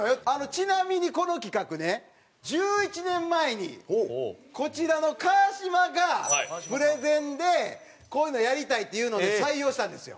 ちなみにこの企画ね１１年前にこちらの川島がプレゼンでこういうのやりたいっていうので採用したんですよ。